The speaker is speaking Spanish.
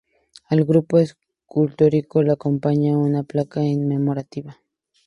Al grupo escultórico lo acompaña una placa conmemorativa.